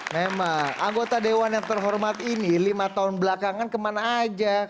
memang anggota dewan yang terhormat ini lima tahun belakangan kemana aja